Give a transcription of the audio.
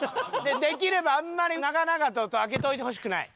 できればあんまり長々と開けといてほしくない。